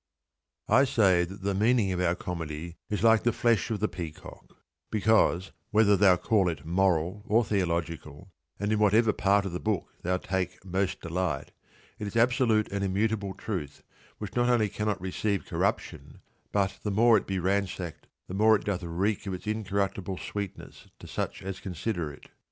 I say that the meaning of our Comedy is like the flesh of the peacock, because whether thou call it moral or theological, and in whatever part of the book thou take most delight, it is absolute and immutable truth which not only cannot receive corruption, but the more it be ransacked the more doth it reek of its in corruptible sweetness to such as consider it.